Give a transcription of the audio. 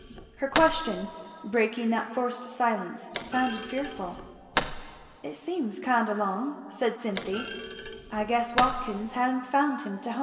Her question, breaking that forced silence, sounded fearful. "It seems kind o' long," said Cynthy. "I guess Watkins ha'n't found him to hum."